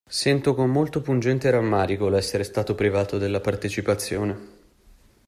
Sento con molto pungente rammarico l'essere stato privato della partecipazione.